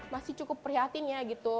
masih cukup prihatin ya gitu